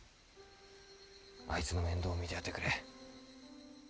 あいつの面倒を見てやってくれ。